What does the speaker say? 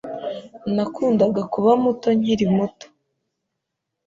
Nakundaga kuba muto nkiri muto.